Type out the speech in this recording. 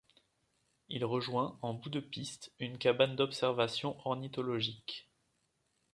Il rejoint, en bout de piste, une cabane d'observation ornithologique.